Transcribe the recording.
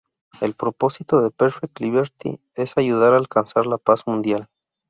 El propósito de Perfect Liberty, es "ayudar a alcanzar la Paz Mundial".